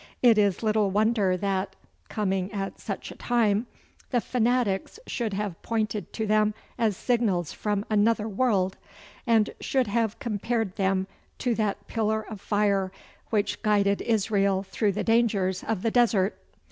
It is little wonder that, coming at such a time, the fanatics should have pointed to them as signals from another world, and should have compared them to that pillar of fire which guided Israel through the dangers of the desert.